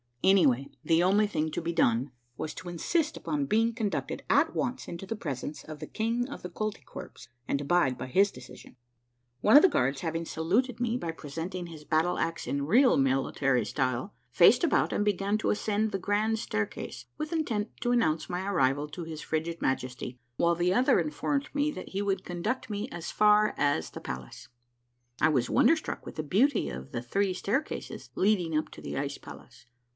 Anyway, the only thing to be done was to insist upon being con ducted at once into the presence of the King of the Koltykwerps, and abide by his decision. One of the guards having saluted me by presenting his battle axe in real military style, faced about and began to ascend the grand staircase with intent to announce my arrival to his frigid Majesty, while the other informed me that he would conduct me as far as the perron of the palace. A MARVELLOUS UNDERGROUND JOURNEY 153 I was wonderstruck with the beauty of the three staircases leading up to the ice palace.